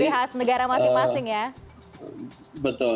ciri khas negara masing masing ya